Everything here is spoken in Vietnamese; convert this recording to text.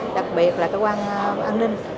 đặc biệt là cơ quan an ninh